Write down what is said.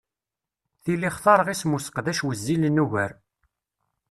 Tili xtareɣ isem useqdac wezzilen ugar.